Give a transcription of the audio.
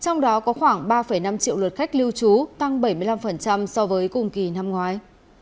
trong đó có khoảng ba năm triệu lượt khách lưu trú tăng bảy mươi năm so với cùng kỳ năm ngoái